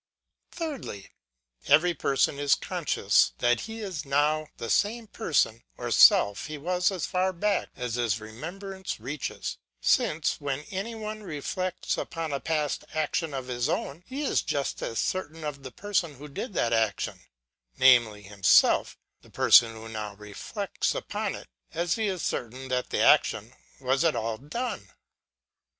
Thirdly. Every person is conscious that he is now the same person or self he was as far back as his remembrance reaches : since, when anyone reflects upon a past action of his own, he is just as certain of the person who did that action, namely, himself, the person who now reflects upon it, as he is certain that the action was at all done.